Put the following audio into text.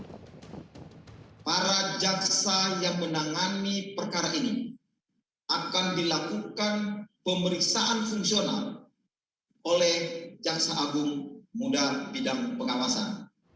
pertama para jaksa yang menangani perkara ini akan dilakukan pemeriksaan fungsional oleh jaksa agung muda bidang pengawasan